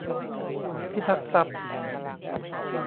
พิทักษ์ทรัพย์